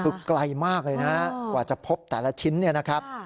คือใกล้มากเลยนะกว่าจะพบแต่ละชิ้น